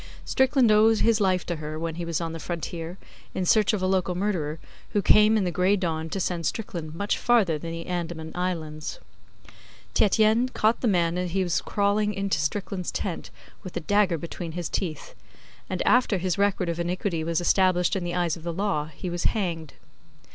Strickland owed his life to her, when he was on the Frontier, in search of a local murderer, who came in the gray dawn to send Strickland much farther than the Andaman Islands. Tietjens caught the man as he was crawling into Strickland's tent with a dagger between his teeth; and after his record of iniquity was established in the eyes of the law he was hanged.